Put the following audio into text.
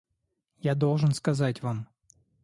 Я должен сказать вам...